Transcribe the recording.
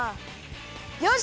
よし！